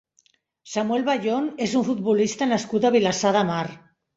Samuel Bayón és un futbolista nascut a Vilassar de Mar.